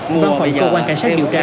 văn phòng cơ quan cảnh sát điều tra